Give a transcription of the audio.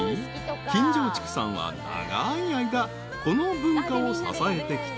［金城畜産は長い間この文化を支えてきた］